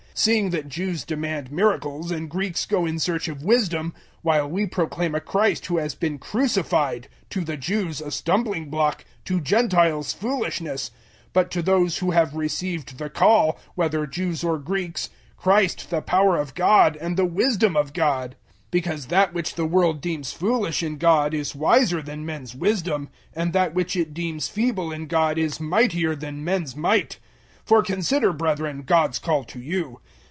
001:022 Seeing that Jews demand miracles, and Greeks go in search of wisdom, 001:023 while we proclaim a Christ who has been crucified to the Jews a stumbling block, to Gentiles foolishness, 001:024 but to those who have received the Call, whether Jews or Greeks, Christ the power of God and the wisdom of God. 001:025 Because that which the world deems foolish in God is wiser than men's wisdom, and that which it deems feeble in God is mightier than men's might. 001:026 For consider, brethren, God's call to you.